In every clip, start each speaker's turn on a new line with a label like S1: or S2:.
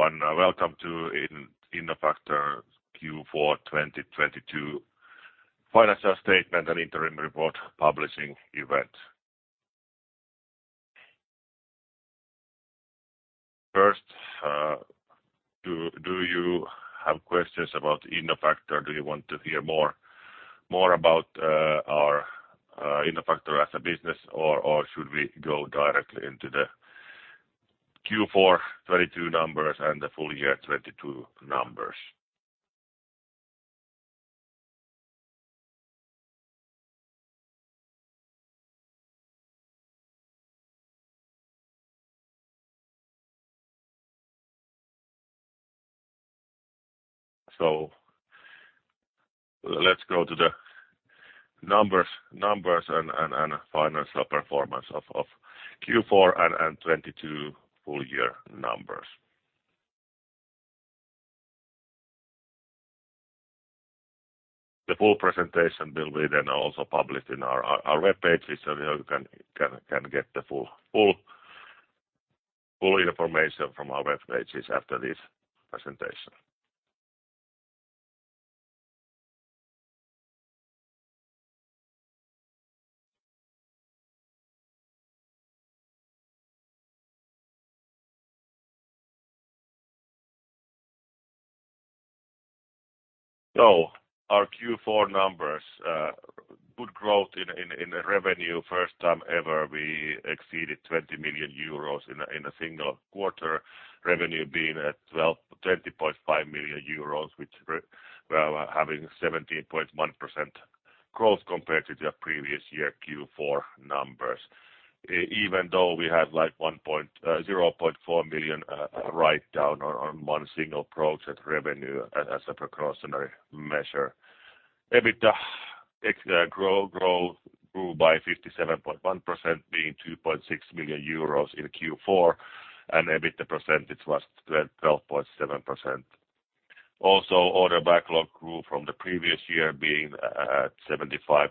S1: Hello and welcome to Innofactor Q4 2022 Financial Statement and Interim Report Publishing Event. First, do you have questions about Innofactor? Do you want to hear more about our Innofactor as a business, or should we go directly into the Q4 2022 numbers and the full year 2022 numbers? Let's go to the numbers. Numbers and financial performance of Q4 and 2022 full year numbers. The full presentation will be then also published in our web pages. You can get the full information from our web pages after this presentation. Our Q4 numbers, good growth in revenue. First time ever, we exceeded 20 million euros in a single quarter. Revenue being at 20.5 million euros, which we're having 17.1% growth compared to the previous year Q4 numbers. Even though we had like 0.4 million write down on one single project revenue as a precautionary measure. EBITDA grew by 57.1% being 2.6 million euros in Q4. EBITDA percentage was 12.7%. Also order backlog grew from the previous year being 75.8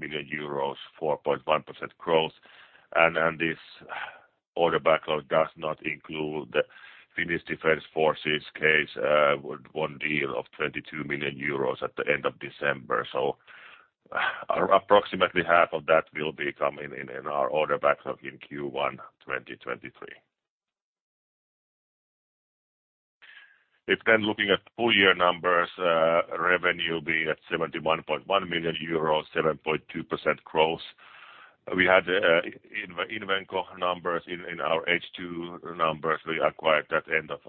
S1: million euros, 4.1% growth. This order backlog does not include the Finnish Defence Forces case with one deal of 22 million euros at the end of December. Approximately half of that will be coming in our order backlog in Q1 2023. Looking at full year numbers, revenue being at 71.1 million euros, 7.2% growth. We had Invenco numbers in our H2 numbers. We acquired that end of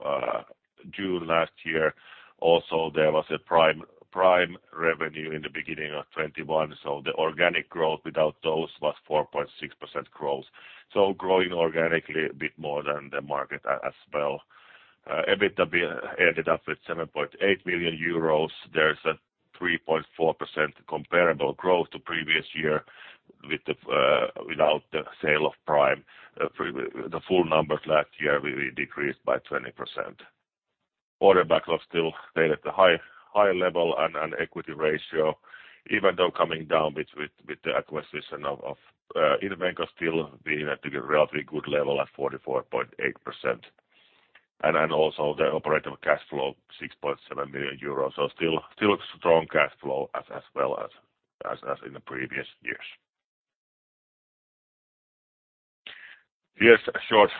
S1: June last year. There was a Prime revenue in the beginning of 21, so the organic growth without those was 4.6% growth. Growing organically a bit more than the market as well. EBITDA ended up with 7.8 million euros. There is a 3.4% comparable growth to previous year with the without the sale of Prime. The full numbers last year we decreased by 20%. Order backlog still stayed at the high level and equity ratio. Even though coming down with the acquisition of Invenco still being at a relatively good level at 44.8%. And also the operative cash flow, 6.7 million euros. Still strong cash flow as well as in the previous years. Here's a short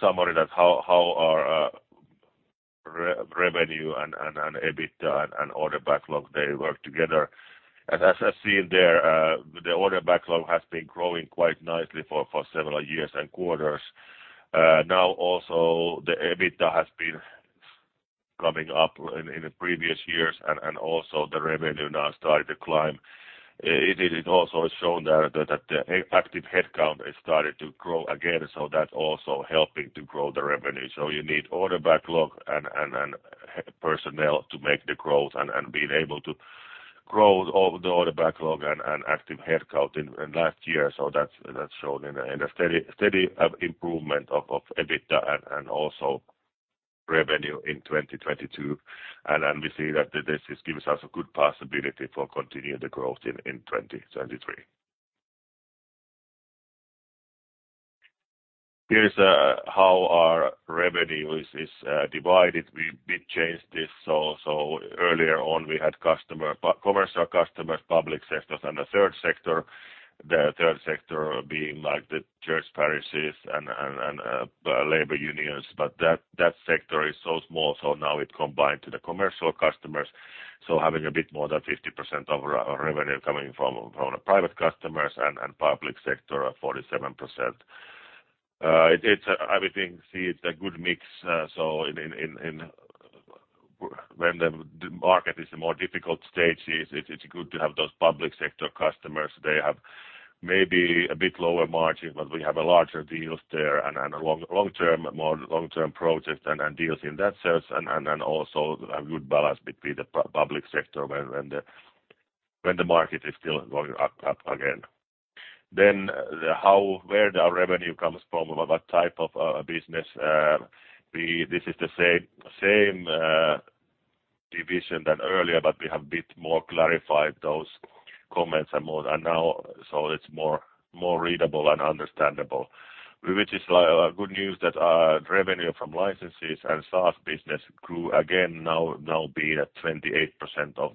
S1: summary that how our revenue and EBITDA and order backlog they work together. As I've seen there, the order backlog has been growing quite nicely for several years and quarters. Now also the EBITDA has been coming up in the previous years and also the revenue now starting to climb. It is also shown that the active headcount has started to grow again, so that's also helping to grow the revenue. You need order backlog and personnel to make the growth and being able to grow all the order backlog and active headcount in last year. That's shown in a steady improvement of EBITDA and also revenue in 2022. We see that this gives us a good possibility for continuing the growth in 2023. Here is how our revenue is divided. We bit changed this, so earlier on we had commercial customers, public sectors and a third sector. The third sector being like the church parishes and labor unions. That sector is so small, so now it combined to the commercial customers. Having a bit more than 50% of our revenue coming from the private customers and public sector 47%. I would think, see it's a good mix. In when the market is more difficult stages, it's good to have those public sector customers. They have maybe a bit lower margin, we have a larger deals there and a more long term project and deals in that sense. also a good balance between the public sector when the market is still going up again. where the revenue comes from, what type of business. this is the same Division than earlier, we have a bit more clarified those comments and more. now it's more readable and understandable. Which is good news that our revenue from licenses and SaaS business grew again now being at 28% of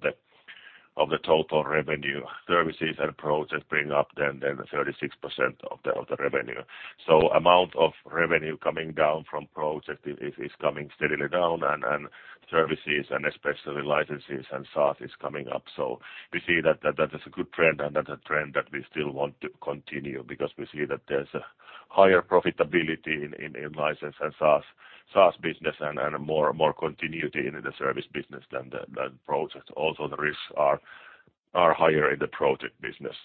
S1: the total revenue. Services and projects bring up then 36% of the revenue. Amount of revenue coming down from project is coming steadily down and services and especially licenses and SaaS is coming up. We see that is a good trend and that's a trend that we still want to continue because we see that there's a higher profitability in license and SaaS business and more continuity in the service business than projects. Also, the risks are higher in the project business.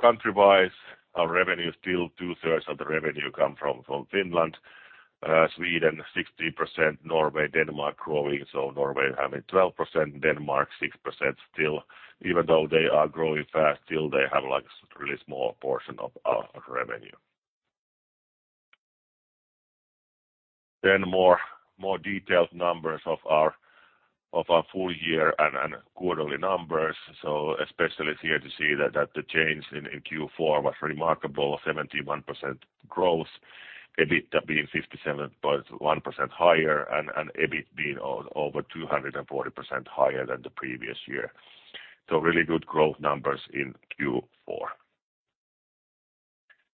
S1: Country-wise, our revenue is still two-thirds of the revenue come from Finland. Sweden, 60%, Norway, Denmark growing. Norway having 12%, Denmark 6% still. Even though they are growing fast, still they have like really small portion of our revenue. More detailed numbers of our full year and quarterly numbers. Especially here to see that the change in Q4 was remarkable, 71% growth, EBITDA being 57.1% higher and EBIT being over 240% higher than the previous year. Really good growth numbers in Q4.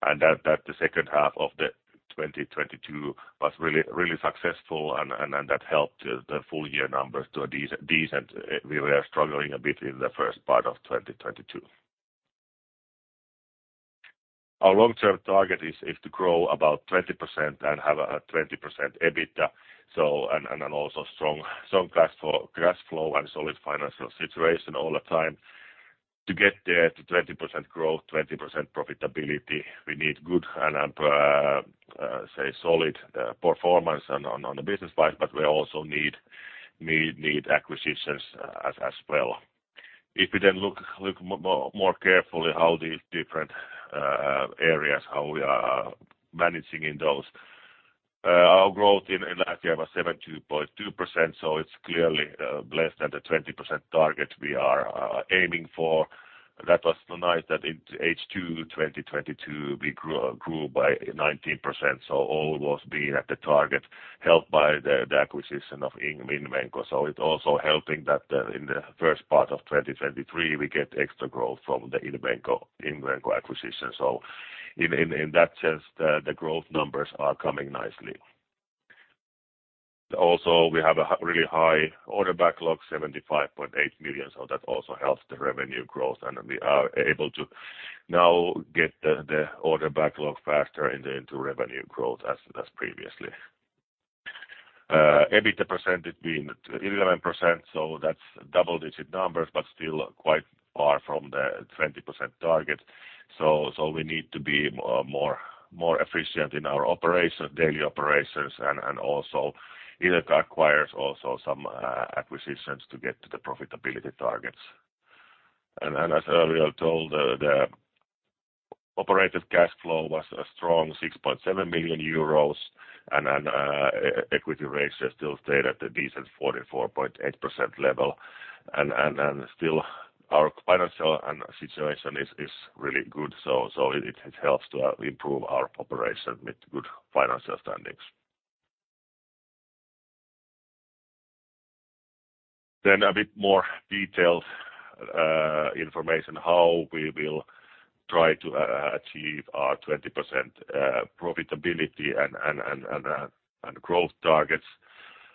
S1: That the second half of 2022 was really successful and that helped the full year numbers to a decent. We were struggling a bit in the first part of 2022. Our long-term target is to grow about 20% and have a 20% EBITDA. Also strong cash flow and solid financial situation all the time. To get there to 20% growth, 20% profitability, we need good and say solid performance on the business side, but we also need acquisitions as well. We then look more carefully how these different areas, how we are managing in those. Our growth in last year was 72.2%, so it's clearly less than the 20% target we are aiming for. That was nice that in H2 2022 we grew by 19%. All was being at the target helped by the acquisition of Invenco. It also helping that in the first part of 2023, we get extra growth from the Invenco acquisition. In that sense, the growth numbers are coming nicely. We have a really high order backlog, 75.8 million. That also helps the revenue growth, and we are able to now get the order backlog faster into revenue growth as previously. EBITDA percentage being at 11%, that's double-digit numbers, still quite far from the 20% target. We need to be more efficient in our operation, daily operations and also it requires some acquisitions to get to the profitability targets. As earlier told, the operative cash flow was a strong 6.7 million euros and equity ratio still stayed at a decent 44.8% level. Still our financial situation is really good. It helps to improve our operation with good financial standings. A bit more detailed information how we will try to achieve our 20% profitability and growth targets.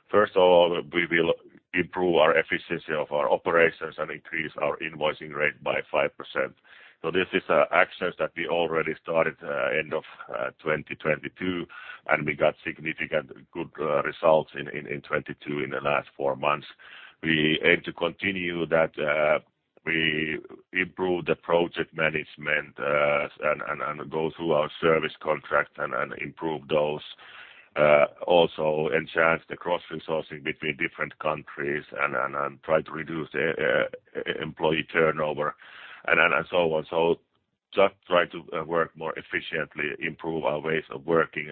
S1: First of all, we will improve our efficiency of our operations and increase our invoicing rate by 5%. This is actions that we already started end of 2022, and we got significant good results in 2022 in the last four months. We aim to continue that. We improve the project management and go through our service contract and improve those. Enhance the cross-resourcing between different countries and try to reduce employee turnover and so on. Just try to work more efficiently, improve our ways of working.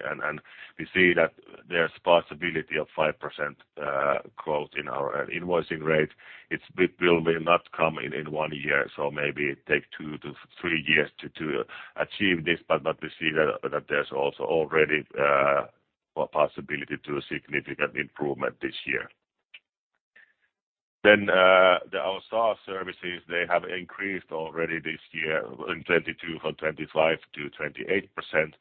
S1: We see that there's possibility of 5% growth in our invoicing rate. It's bi-bill will not come in in one year, maybe it take two-three years to achieve this, we see that there's also already a possibility to a significant improvement this year. Our SaaS services, they have increased already this year in 2022 from 25%-28%,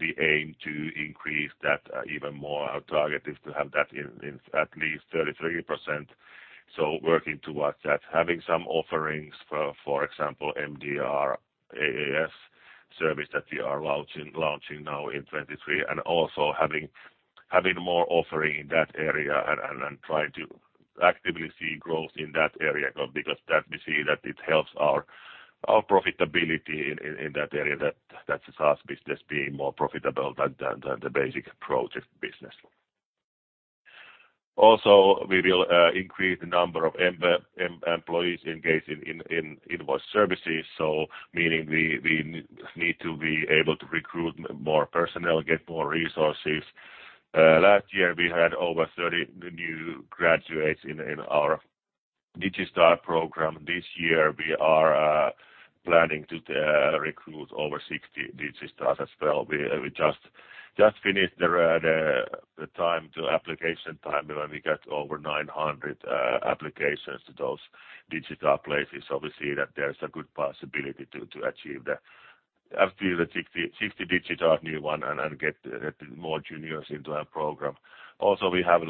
S1: we aim to increase that even more. Our target is to have that in at least 33%. Working towards that, having some offerings for example, MDRaaS service that we are launching now in 2023 and also having more offering in that area and trying to actively see growth in that area. Because that we see that it helps our profitability in that area, that SaaS business being more profitable than the basic project business. We will increase the number of employees engaged in invoice services. Meaning we need to be able to recruit more personnel, get more resources. Last year we had over 30 new graduates in our DigiStar program this year we are planning to recruit over 60 DigiStar as well. We just finished the time to application time, and we got over 900 applications to those DigiStar places. We see that there's a good possibility to achieve the up to the 60 DigiStar new one and get more juniors into our program. We have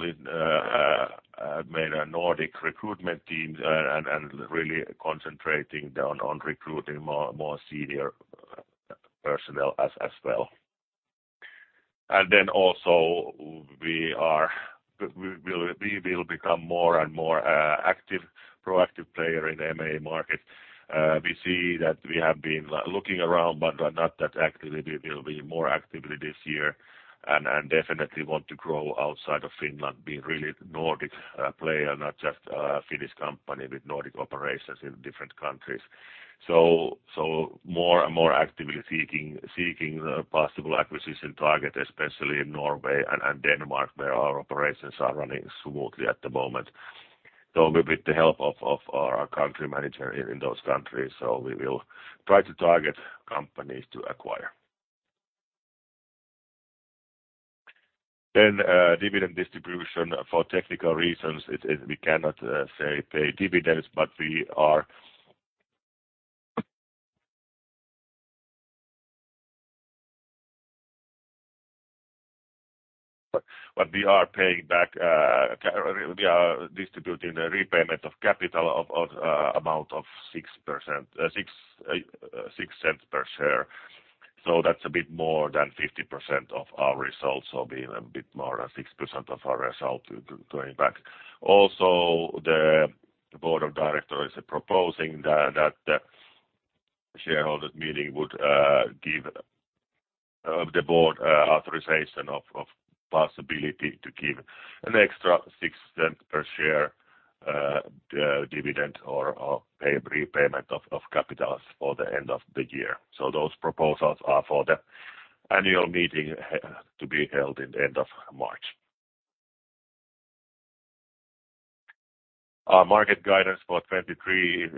S1: made a Nordic recruitment team and really concentrating on recruiting more senior personnel as well. Also we will become more and more active, proactive player in the M&A market. We see that we have been looking around but not that actively. We'll be more actively this year and definitely want to grow outside of Finland, be really Nordic player, not just Finnish company with Nordic operations in different countries. More and more actively seeking the possible acquisition target, especially in Norway and Denmark, where our operations are running smoothly at the moment, with the help of our country manager in those countries. We will try to target companies to acquire. Dividend distribution for technical reasons we cannot say pay dividends, but we are... We are paying back, we are distributing the repayment of capital of amount of 6%, 0.06 per share. That's a bit more than 50% of our results. Being a bit more than 6% of our result going back. The board of directors are proposing that shareholders meeting would give the board authorization of possibility to give an extra 0.06 per share dividend or pay repayment of capitals for the end of the year. Those proposals are for the annual meeting to be held in the end of March. Our market guidance for 2023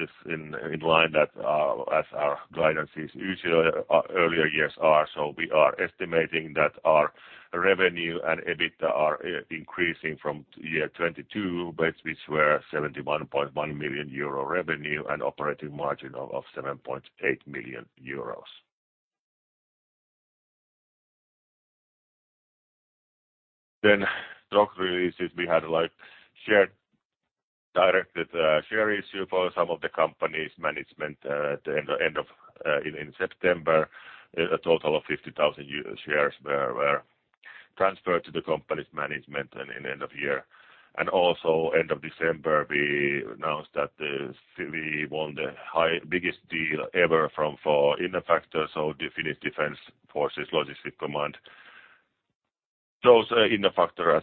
S1: is in line as our guidance is usually our earlier years are. We are estimating that our revenue and EBITDA are increasing from 2022, which were 71.1 million euro revenue and operating margin of 7.8 million euros. Stock releases, we had like share-directed share issue for some of the company's management at the end of in September. A total of 50,000 shares were transferred to the company's management and in end of year. Also end of December, we announced that we won the high-biggest deal ever for Innofactor. The Finnish Defence Forces Logistics Command. Those Innofactor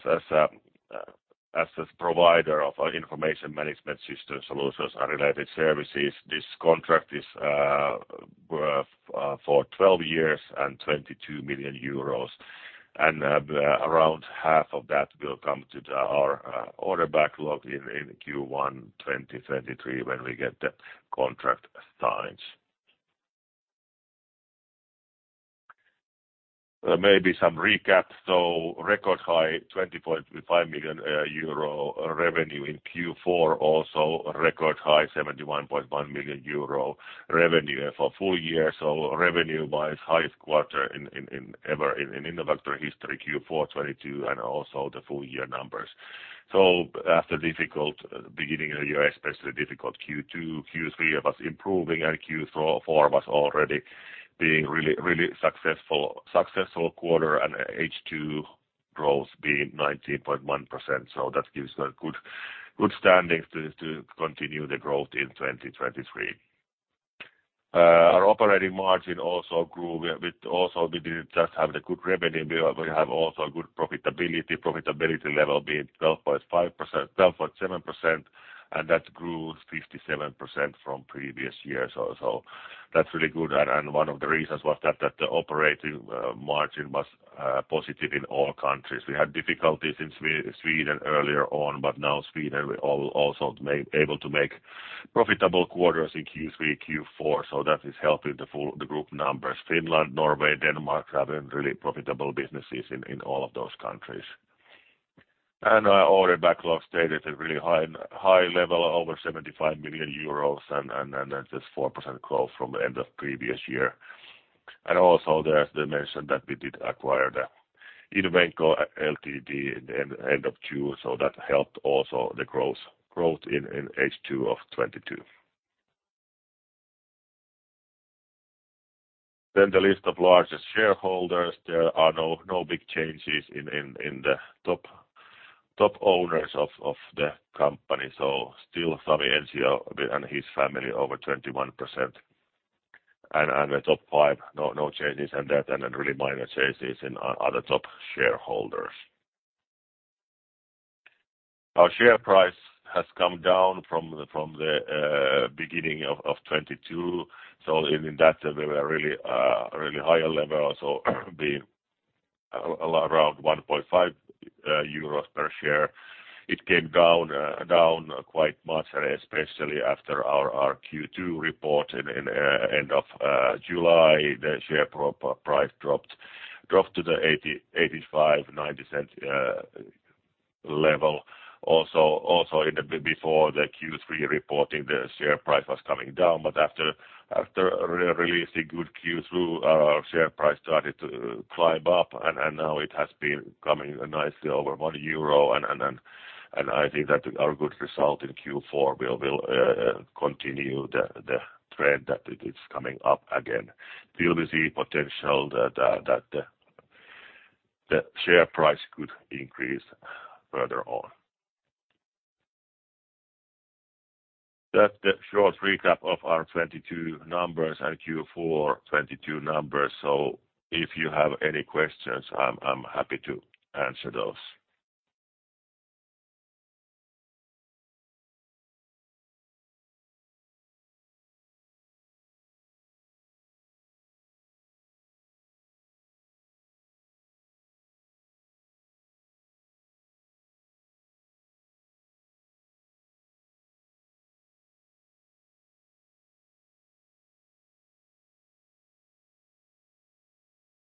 S1: as a provider of our information management system solutions and related services. This contract is for 12 years and 22 million euros. Around half of that will come to our order backlog in Q1 2023 when we get the contract signed. Maybe some recap. Record high 20.5 million euro revenue in Q4. Also record high 71.1 million euro revenue for full year. Revenue-wise, highest quarter in ever in Innofactor history Q4 2022 and also the full year numbers. After difficult beginning of the year, especially difficult Q2, Q3 was improving, and Q4 was already being really successful quarter and H2 growth being 19.1%. That gives a good standing to continue the growth in 2023. Our operating margin also grew. We also we didn't just have the good revenue, we have also good profitability. Profitability level being 12.5%-12.7%. That grew 57% from previous year. That's really good. One of the reasons was that the operating margin was positive in all countries. We had difficulties in Sweden earlier on. Now Sweden we also able to make profitable quarters in Q3, Q4. That is helping the group numbers. Finland, Norway, Denmark having really profitable businesses in all of those countries. Our order backlog stayed at a really high level, over 75 million euros and just 4% growth from end of previous year. Also there's the mention that we did acquire the Invenco Ltd. at the end of Q. That helped also the growth in H2 of 2022. The list of largest shareholders, there are no big changes in the top owners of the company. Still Sami Ensio and his family over 21%. The top five, no changes in that, really minor changes in other top shareholders. Our share price has come down from the beginning of 2022. In that we were really higher level. Being around 1.5 euros per share. It came down quite much, especially after our Q2 report in end of July. The share price dropped to the 0.80, 0.85, 0.90 level. Before the Q3 reporting, the share price was coming down. After releasing good Q2, our share price started to climb up, and now it has been coming nicely over 1 euro. I think that our good result in Q4 will continue the trend that it is coming up again. We will see potential that the share price could increase further on. That's the short recap of our 2022 numbers and Q4 2022 numbers. If you have any questions, I'm happy to answer those.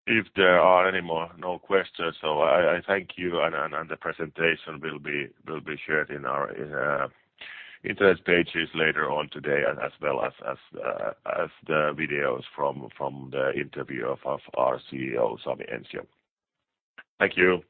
S1: If there are any more, no questions. I thank you and the presentation will be shared in our interest pages later on today and as well as the videos from the interview of our CEO, Sami Ensio. Thank you.